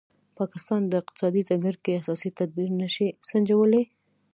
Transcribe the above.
پاکستان په اقتصادي ډګر کې اساسي تدابیر نه شي سنجولای.